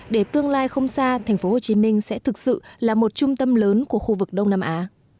để tương lai không xa thành phố hồ chí minh sẽ thực sự là một trung tâm lớn của khu vực đông nam á